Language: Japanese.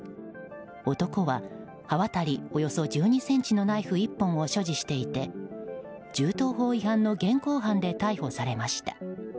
男は、刃渡りおよそ１２ｃｍのナイフ１本を所持していて銃刀法違反の現行犯で逮捕されました。